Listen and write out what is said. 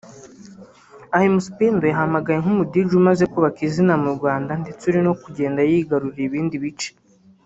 Aha Mc Pendo yahamagawe nk’umuDj umaze kubaka izina mu Rwanda ndetse uri no kugenda yigarurira ibindi bice